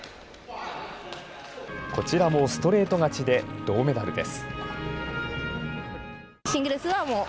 こちらもストレート勝ちで銅メダルです。